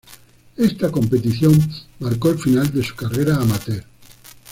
Esta competición marcó el final de su carrera amateur.